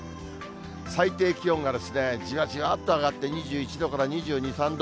最低気温がじわじわっと上がって、２１度から２２、３度。